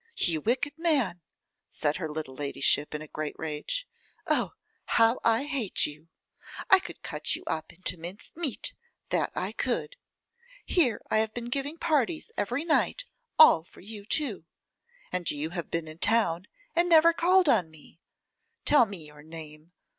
'You wicked man,' said her little ladyship, in a great rage. 'Oh! how I hate you! I could cut you up into minced meat; that I could. Here I have been giving parties every night, all for you too. And you have been in town, and never called on me. Tell me your name.